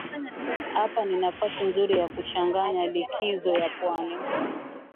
Hapa ni nafasi nzuri ya kuchanganya likizo ya pwani